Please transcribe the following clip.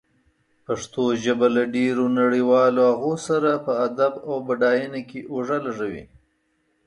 پښتو ژبه له ډېرو نړيوالو هغو سره په ادب او بډاینه کې اوږه لږوي.